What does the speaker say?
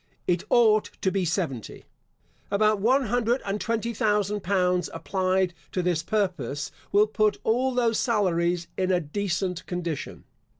It ought to be seventy. About one hundred and twenty thousand pounds applied to this purpose, will put all those salaries in a decent condition.